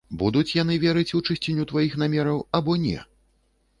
Будуць яны верыць у чысціню тваіх намераў або не?